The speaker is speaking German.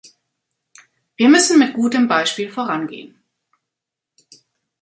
Wir müssen mit gutem Beispiel vorangehen.